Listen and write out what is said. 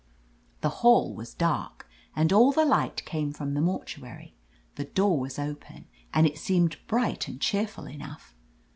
"The hall was dark, and all the light came from the mortuary. The door was open, and it seemed bright and cheerful enough.